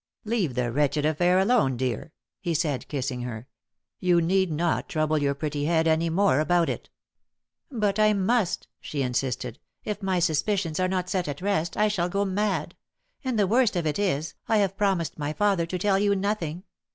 "Leave the wretched affair alone, dear," he said, kissing her. "You need not trouble your pretty head any more about it." "But I must," she insisted. "If my suspicions are not set at rest, I shall go mad. And the worst of it is, I have promised my father to tell you nothing.